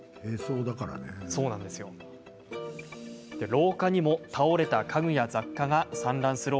廊下にも倒れた家具や雑貨が散乱。